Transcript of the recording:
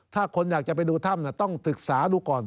ถ้าคนอยากจะไปดูถ้ำต้องศึกษาดูก่อน